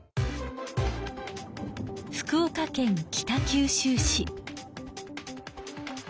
福岡県北九州市。